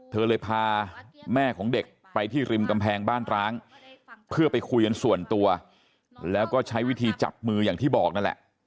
เธอเลยพาแม่ของเด็กไปที่ริมกำแพงบ้านร้างเพื่อไปคุยกันส่วนตัวแล้วก็ใช้วิธีจับมืออย่างที่บอกนั่นแหละ